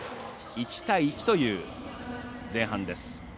１対１という前半です。